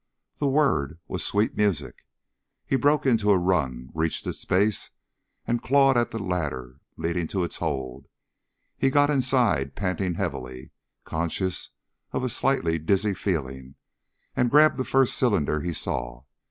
The word was sweet music. He broke into a run, reached its base and clawed at the ladder leading to its hold. He got inside panting heavily, conscious of a slightly dizzy feeling, and grabbed the first cylinder he saw.